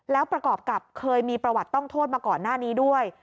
แล้วประกอบกับเคยมีประวัติต้องโทษมาก่อนหน้านี้ด้วย